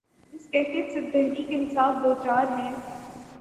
جس کیفیت سے تحریک انصاف دوچار ہے۔